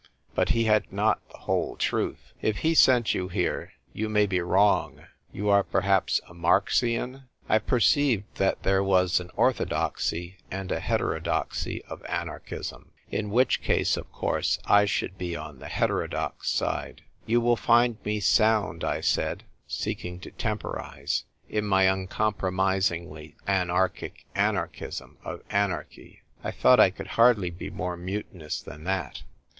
But he had not the whole truth. If he sent you here, you may be wrong — you are perhaps a Marxian ?" 1 perceived that there was an orthodoxy and a heterodoxy of anarchism ; in which case, of course, I should be on the heterodox side, "You will find me sound," I said, seeking to temporise, " in my uncompromisingly anarchic anarchism of anarchy." I thought I could hardly be more mutinous than that.